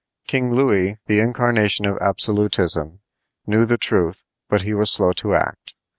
King Louis, the incarnation of absolutism, knew the truth, but he was slow to act.